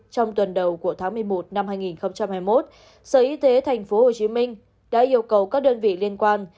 trong tuần đầu của tháng một mươi một năm hai nghìn hai mươi một sở y tế tp hcm đã yêu cầu các đơn vị liên quan